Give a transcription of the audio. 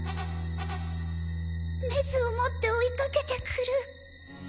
メスを持って追いかけてくる。